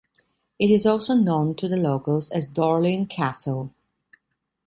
It is also known to the locals as "Dorlin Castle".